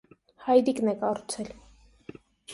Հայրիկն է կառուցել: